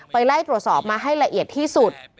ไล่ตรวจสอบมาให้ละเอียดที่สุด